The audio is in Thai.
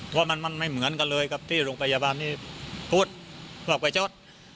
เพราะมันไม่เหมือนกันเลยกับที่โรงพยาบาลนี้พูดออกไปชด